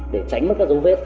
để tránh mất các dấu vết